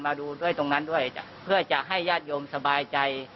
มาดูด้วยตรงนั้นด้วยเพื่อจะให้ญาติโยมสบายใจ